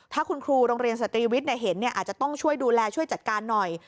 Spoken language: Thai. ถ้าคุณครูโรงเรียนสตรีวิทย์เห็นอาจจะต้องช่วยดูแลช่วยจัดการหน่อย